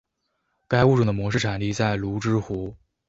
该物种的模式产地在芦之湖。